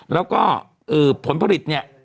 แล้วก็ผลผลิตเนี่ย